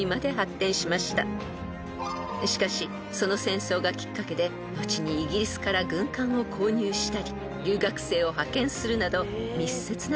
［しかしその戦争がきっかけで後にイギリスから軍艦を購入したり留学生を派遣するなど密接な関係を築きました］